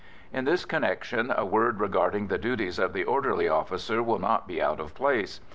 In this connection a word regarding the duties of the orderly officer will not be out of place.